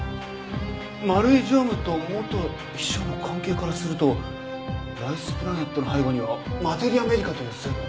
丸井常務と元秘書の関係からするとライスプラネットの背後にはマテリアメディカという線も。